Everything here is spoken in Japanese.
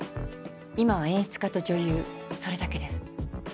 今は演出家と女優それだけです。